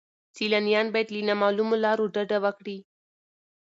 سیلانیان باید له نامعلومو لارو ډډه وکړي.